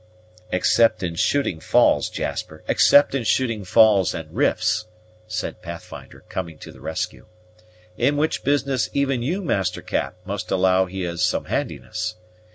"Except in shooting falls, Jasper, except in shooting falls and rifts," said Pathfinder, coming to the rescue; "in which business even you, Master Cap, must allow he has some handiness.